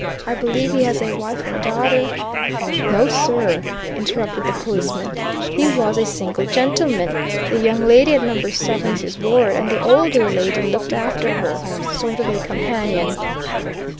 I believe he has a wife and daughter " "No sir," interrupted the policeman. "He was a single gentleman. The young lady at number seven is his ward, and the older lady looked after her sort of a companion."